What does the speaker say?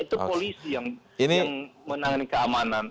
itu polisi yang menangani keamanan